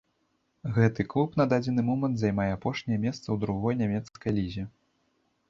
Гэты клуб на дадзены момант займае апошняе месца ў другой нямецкай лізе.